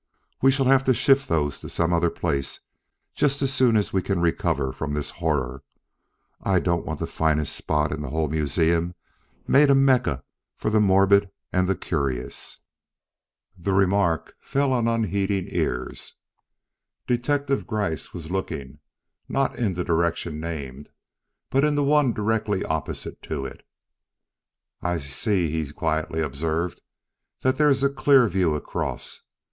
We shall have to shift those to some other place just as soon as we can recover from this horror. I don't want the finest spot in the whole museum made a Mecca for the morbid and the curious." The remark fell upon unheeding ears. Detective Gryce was looking, not in the direction named, but in the one directly opposite to it. "I see," he quietly observed, "that there is a clear view across.